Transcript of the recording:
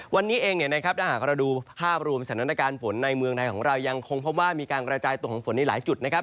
วันนี้เองเนี่ยนะครับถ้าหากเราดูภาพรวมสถานการณ์ฝนในเมืองไทยของเรายังคงพบว่ามีการกระจายตัวของฝนในหลายจุดนะครับ